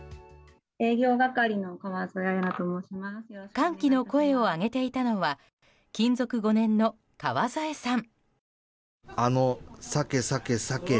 歓喜の声を上げていたのは勤続５年の川添さん。